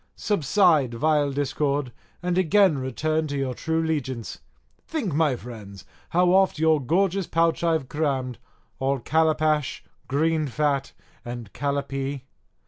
Subside, vile discord, and again return to your true 'legiance. Think, my friends, how oft your gorgeous pouch I've crammed, all calapash, green fat, and calapee.